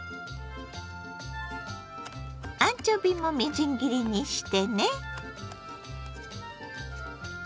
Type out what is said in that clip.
アンチョビもみじん切りにしてね。